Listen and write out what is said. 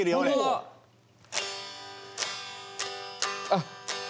あっ。